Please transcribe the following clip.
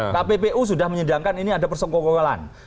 kppu sudah menyedangkan ini ada persengkok kokalan